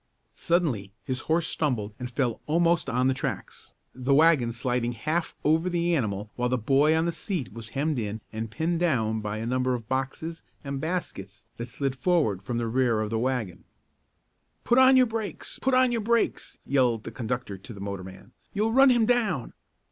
Suddenly his horse stumbled and fell almost on the tracks, the wagon sliding half over the animal while the boy on the seat was hemmed in and pinned down by a number of boxes and baskets that slid forward from the rear of the wagon. "Put on your brakes! Put on your brakes!" yelled the conductor to the motorman. "You'll run him down!"